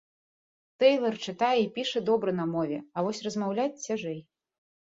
Тэйлар чытае і піша добра на мове, а вось размаўляць цяжэй.